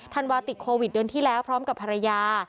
ธันวาติดโควิดเดือนที่แล้วพร้อมกับภรรยา